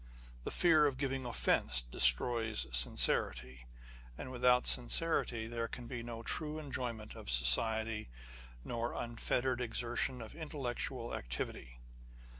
The fear of giving offence destroys sincerity, and without sincerity there can be no true enjoyment of society, nor unfettered exertion of intellectual activity.